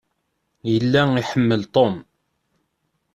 Yella iḥemmel Tom.